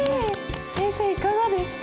先生いかがですか？